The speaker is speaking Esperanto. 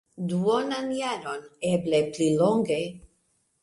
Duonan jaron, eble pli longe.